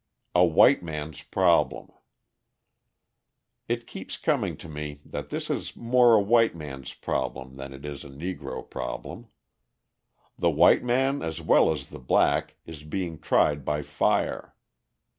A White Man's Problem It keeps coming to me that this is more a white man's problem than it is a Negro problem. The white man as well as the black is being tried by fire.